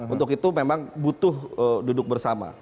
untuk itu memang butuh duduk bersama